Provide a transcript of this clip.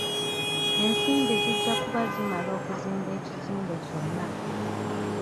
Ensimbi zijja kuba zimala okuzimba ekizimbe kyonna.